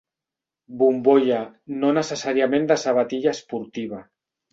Bombolla, no necessàriament de sabatilla esportiva.